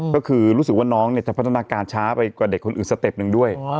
ก็คือรู้สึกว่าน้องจะพัฒนาการช้าไปกว่าเด็กคนอื่นสเต็ปหนึ่งด้วย